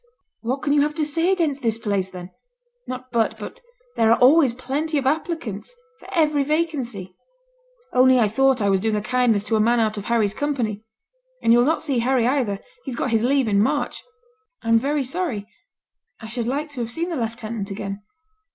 What can you have to say against the place, then? Not but what there are always plenty of applicants for every vacancy; only I thought I was doing a kindness to a man out of Harry's company. And you'll not see Harry either; he's got his leave in March!' 'I'm very sorry. I should like to have seen the lieutenant again.